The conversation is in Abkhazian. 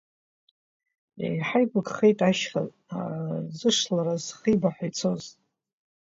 Еиҳа игәыкхеит ашьха, зышлара зхибаҳәа ицоз…